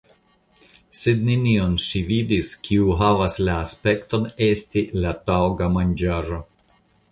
Sed nenion ŝi vidis kiu havis la aspekton esti la taŭga manĝaĵo.